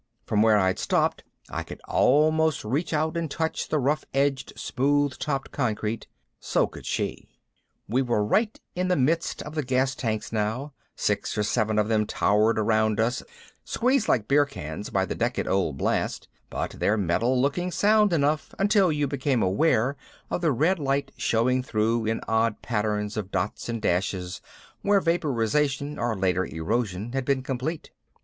From where I'd stopped I could almost reach out and touch the rough edged smooth topped concrete. So could she. We were right in the midst of the gas tanks now, six or seven of them towered around us, squeezed like beer cans by the decade old blast but their metal looking sound enough until you became aware of the red light showing through in odd patterns of dots and dashes where vaporization or later erosion had been complete.